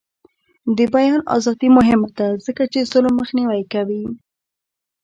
د بیان ازادي مهمه ده ځکه چې ظلم مخنیوی کوي.